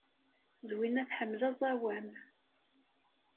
Zwina tḥemmel aẓawan.